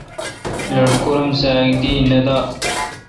لٹکور ام سہ اک دی نہ دا۔